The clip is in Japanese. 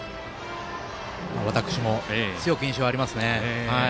私も強く印象ありますね。